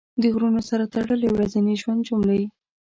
د غرونو سره تړلې ورځني ژوند جملې